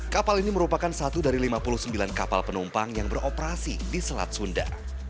kapal ini merupakan satu dari lima puluh sembilan kapal penumpang yang beroperasi di selat sunda